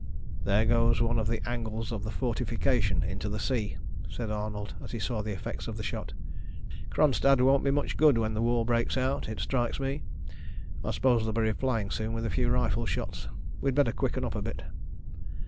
"There goes one of the angles of the fortification into the sea," said Arnold, as he saw the effects of the shot. "Kronstadt won't be much good when the war breaks out, it strikes me. I suppose they'll be replying soon with a few rifle shots. We'd better quicken up a bit."